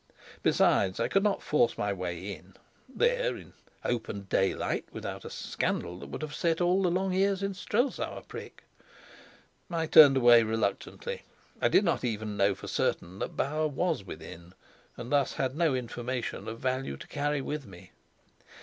Besides, I could not force my way in, there in open daylight, without a scandal that would have set all the long ears in Strelsau aprick. I turned away reluctantly. I did not even know for certain that Bauer was within, and thus had no information of value to carry with me.